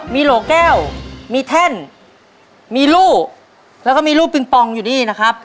มีโหลแก้วมีแท่นมีรู่แล้วก็มีรูปปิงปองอยู่นี่นะครับ